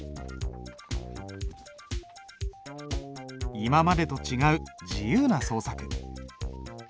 今までと違う自由な創作。